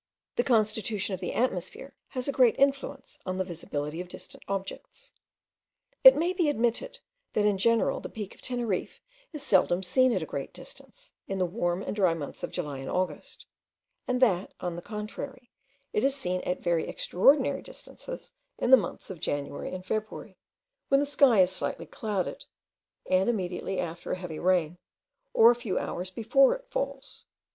The constitution of the atmosphere has a great influence on the visibility of distant objects. It may be admitted, that in general the peak of Teneriffe is seldom seen at a great distance, in the warm and dry months of July and August; and that, on the contrary, it is seen at very extraordinary distances in the months of January and February, when the sky is slightly clouded, and immediately after a heavy rain, or a few hours before it falls.